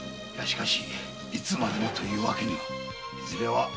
しかしいつまでもというわけには。